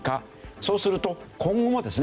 そうすると今後ですね